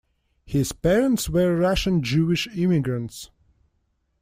His parents were Russian Jewish immigrants.